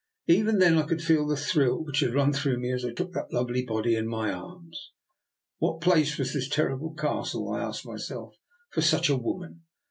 Even then I could feel the thrill which had run through me as I took that lovely body in my arms. What place was this terrible Castle, I asked myself, for such a woman?